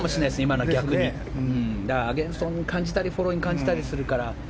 アゲンスト気味に感じたりフォローに感じたりするから。